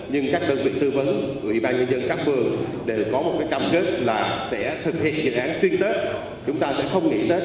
thường đều có một cái cam kết là sẽ thực hiện dự án xuyên tết chúng ta sẽ không nghỉ tết